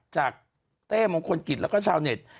เต้มงคลกิจแล้วก็ชาวเน็ต